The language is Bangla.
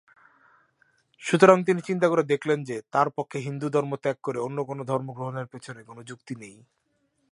সুতরাং তিনি চিন্তা করে দেখলেন যে, তার পক্ষে হিন্দুধর্ম ত্যাগ করে অন্য কোন ধর্ম গ্রহণের পেছনে কোন যুক্তি নেই।